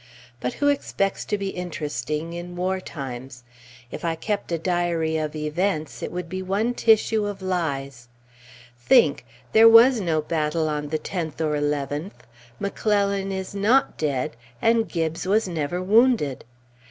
But who expects to be interesting in war times? If I kept a diary of events, it would be one tissue of lies. Think! There was no battle on the 10th or 11th, McClellan is not dead, and Gibbes was never wounded!